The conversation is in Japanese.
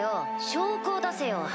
証拠を出せよ。